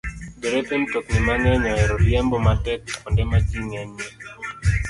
Derepe mtokni mang'eny ohero riembo matek kuonde ma ji ng'enyie.